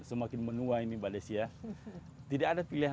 tantangan kita ke depan memang dengan jumlah petani yang ada di dalamnya